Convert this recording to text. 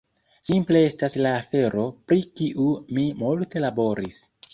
simple estas la afero pri kiu mi multe laboris